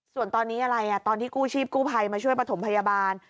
ส่วนตอนนี้อะไรตอนที่กู้ชีพกู้ภัยมาช่วยประถมพยาบาล